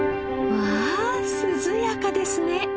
わあ涼やかですね。